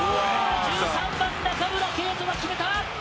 １３番中村けいとが決めた！